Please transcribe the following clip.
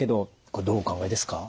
これどうお考えですか？